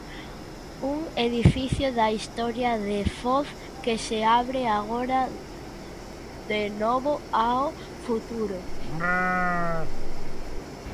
Un edificio da historia de Foz que se abre agora de novo ao futuro.